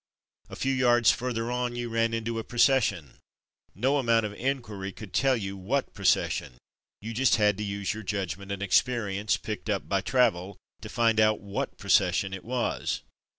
A few yards further on you ran into a proces sion. No amount of inquiry could tell you what procession; you just had to use your judgment and experience, picked up by travel, to find out what procession it was.